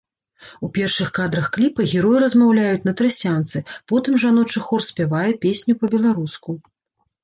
У першых кадрах кліпа героі размаўляюць на трасянцы, потым жаночы хор спявае песню па-беларуску.